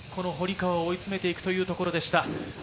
入れば２打差に堀川を追い詰めていくというところでした。